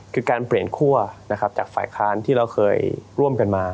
คือการเปลี่ยนคั่วนะครับจากฝ่ายค้านที่เราเคยร่วมกันมา